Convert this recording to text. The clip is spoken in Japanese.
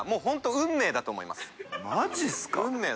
運命だと思います。